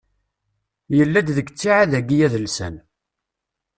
Yella-d deg ttiɛad-agi adelsan.